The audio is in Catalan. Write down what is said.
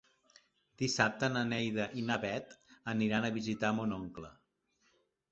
Dissabte na Neida i na Bet aniran a visitar mon oncle.